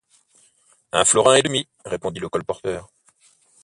Un florin et demi, » répondit le colporteur.